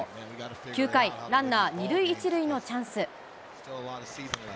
９回、ランナー２塁１塁のチャンス。